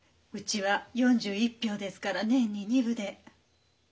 うちは４１俵ですから年に２分で。